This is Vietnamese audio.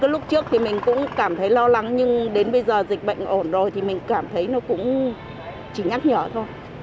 lúc trước thì mình cũng cảm thấy lo lắng nhưng đến bây giờ dịch bệnh ổn rồi thì mình cảm thấy nó cũng chỉ nhắc nhở thôi